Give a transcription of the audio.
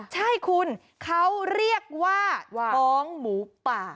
ใช่คุณเขาเรียกว่าท้องหมูป่า